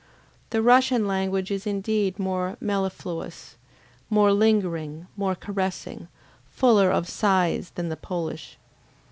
The Russian language is indeed more mellifluous, more lingering, more caressing, fuller of sighs than the Polish.